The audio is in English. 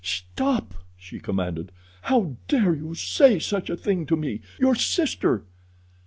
"Stop!" she commanded. "How dare you say such a thing to me—your sister!"